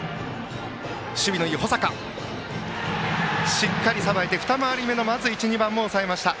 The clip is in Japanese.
しっかりさばいて二回り目の１、２番も抑えました。